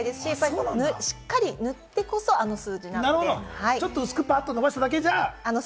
しっかり塗ってこその、あの数字なんです。